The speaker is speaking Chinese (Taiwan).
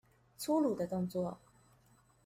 粗魯的動作